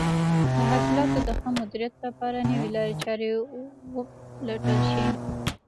د حاصلاتو د ښه مدیریت لپاره نوې لارې چارې وپلټل شي.